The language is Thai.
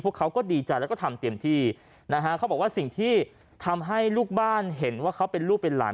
เขาก็ดีใจแล้วก็ทำเต็มที่นะฮะเขาบอกว่าสิ่งที่ทำให้ลูกบ้านเห็นว่าเขาเป็นลูกเป็นหลาน